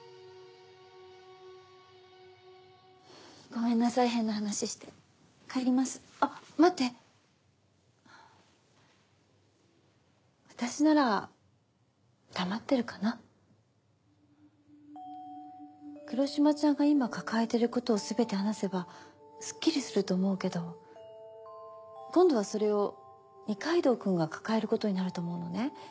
ごめんなさい変な話して帰りますあっ待って私なら黙ってるかな黒島ちゃんが今抱えてることを全て話せばすっきりすると思うけど今度はそれを二階堂君が抱えることになると思うのね